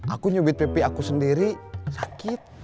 aku nyubit pipi aku sendiri sakit